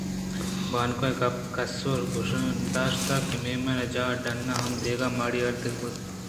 بانک ءِ گپ کس ءَگوش نہ داشت کہ مہمان جاہ ءَ ڈنّ ہم دگہ ماڑی اڈکنگ بہ بیت